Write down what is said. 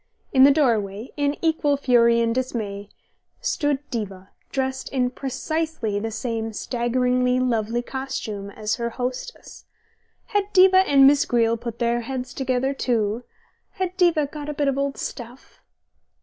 In the doorway, in equal fury and dismay, stood Diva, dressed in precisely the same staggeringly lovely costume as her hostess. Had Diva and Miss Greele put their heads together too? Had Diva got a bit of old stuff